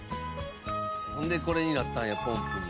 ほんでこれになったんやポンプに。